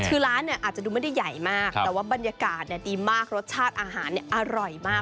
คือร้านเนี่ยอาจจะดูไม่ได้ใหญ่มากแต่ว่าบรรยากาศดีมากรสชาติอาหารอร่อยมาก